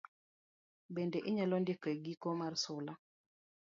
Bende inyalo ndiko e giko mar sula.